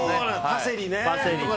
パセリね。